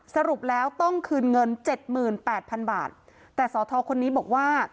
สรุปแล้วต้องคืนเงิน๗๘๐๐๐บาทแต่สอทรคนนี้บอกว่า